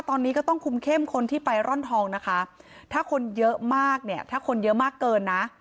ตอนนี้ก็ต้องคุมเข้มคนที่ไปร่อนทองนะคะถ้าคนเยอะมากเนี่ยถ้าคนเยอะมากเกินนะ